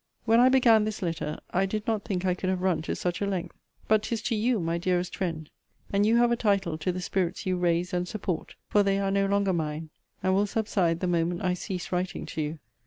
When I began this letter, I did not think I could have run to such a length. But 'tis to YOU, my dearest friend, and you have a title to the spirits you raise and support; for they are no longer mine, and will subside the moment I cease writing to you.